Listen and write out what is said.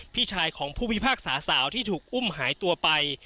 พี่ชายของผู้พิพากษาสาวที่ถูกอุ้มหายตัวไป